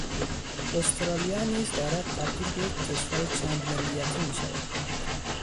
استرالیا نیز دارد تبدیل به یک کشور چند ملیتی میشود.